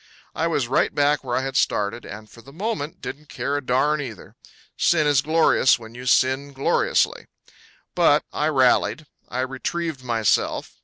I was right back where I had started, and for the moment didn't care a darn either. Sin is glorious when you sin gloriously. But I rallied. I retrieved myself.